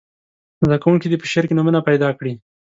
زده کوونکي دې په شعر کې نومونه پیداکړي.